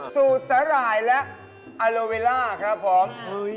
สูตรสาหร่ายและอาโลเวล่าครับผม